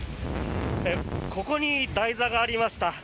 ここに台座がありました。